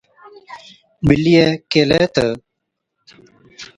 ٻِلِيئَي ڪيهلَي تہ،